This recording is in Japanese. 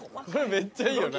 めっちゃいいよな。